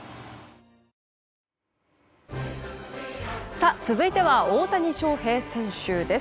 さあ、続いては大谷翔平選手です。